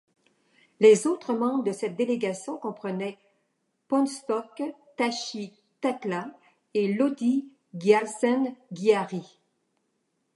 Les autres membres de cette délégation comprenaient Phuntsok Tashi Takla et Lodi Gyaltsen Gyari.